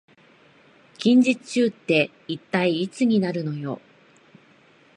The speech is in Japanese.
近日中って一体いつになるのよ